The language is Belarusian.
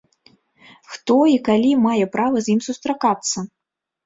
Хто і калі мае права з ім сустракацца?